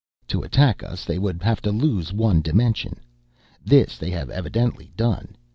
"To attack us they would have to lose one dimension. This they have evidently done.